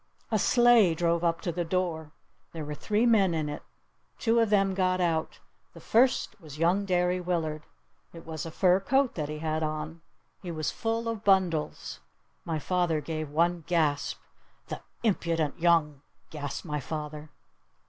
A sleigh drove up to the door. There were three men in it. Two of them got out. The first one was young Derry Willard. It was a fur coat that he had on. He was full of bundles. My father gave one gasp. "The the impudent young " gasped my father.